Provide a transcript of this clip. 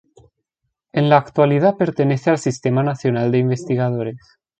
En la actualidad pertenece al Sistema Nacional de Investigadores.